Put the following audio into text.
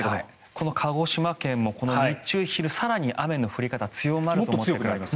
この鹿児島県も日中昼、雨の降り方が強まると思われます。